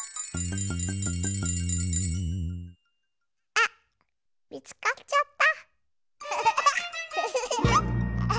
あっみつかっちゃった。